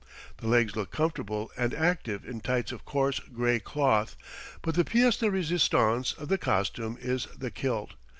The legs look comfortable and active in tights of coarse gray cloth, but the piece de resistance of the costume is the kilt.